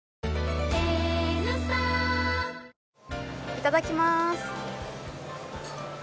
いただきまーす。